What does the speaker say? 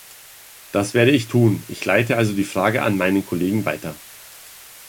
Das werde ich tun, ich leite also die Frage an meinen Kollegen weiter.